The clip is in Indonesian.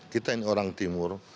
kita ini orang timur